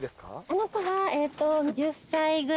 あの子は。